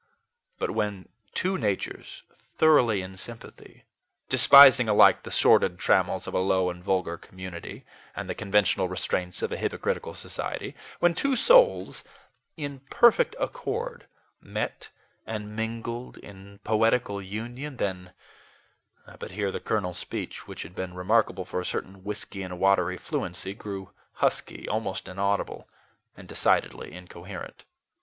But when two natures thoroughly in sympathy, despising alike the sordid trammels of a low and vulgar community and the conventional restraints of a hypocritical society when two souls in perfect accord met and mingled in poetical union, then but here the colonel's speech, which had been remarkable for a certain whisky and watery fluency, grew husky, almost inaudible, and decidedly incoherent.